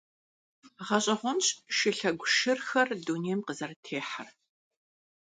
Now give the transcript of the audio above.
Гъэщӏэгъуэнщ шылъэгу шырхэр дунейм къызэрытехьэр.